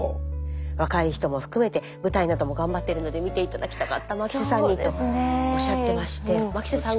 若い人も含めて舞台なども頑張ってるので見て頂きたかった牧瀬さんにとおっしゃってまして牧瀬さん